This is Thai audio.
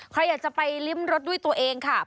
ใครอยากจะไปริมรสด้วยตัวเองค่ะ